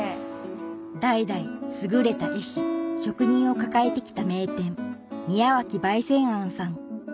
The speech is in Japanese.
代々優れた絵師職人を抱えてきた名店宮脇賣扇庵さん